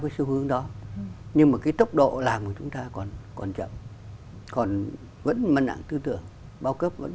cái xu hướng đó nhưng mà cái tốc độ làm của chúng ta còn chậm vẫn măn nặng tư tưởng bao cấp vẫn